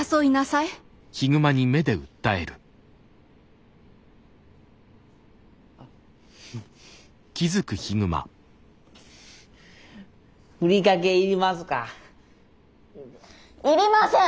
いりません！